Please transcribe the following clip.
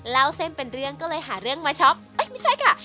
เล่าเส้นเป็นเรื่องก็เลยหาเรื่องมาช็อปเอ้ยไม่ใช่ค่ะ